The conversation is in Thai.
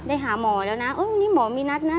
หาหมอแล้วนะนี่หมอมีนัดนะ